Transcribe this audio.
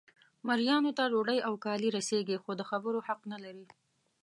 مریانو ته ډوډۍ او کالي رسیږي خو د خبرو حق نه لري.